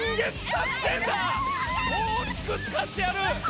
大きく使ってやる！